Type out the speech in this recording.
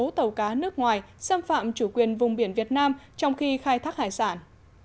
sáu tàu cá nước ngoài xâm phạm chủ quyền vùng biển việt nam trong khi khai thác hải sản